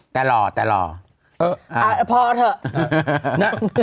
แต่หล่อพอเถอะ